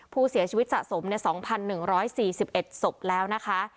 ผู้เสียชีวิตสะสมในสองพันหนึ่งร้อยสี่สิบเอ็ดสบแล้วนะคะ